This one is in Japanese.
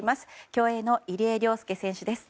競泳の入江陵介選手です。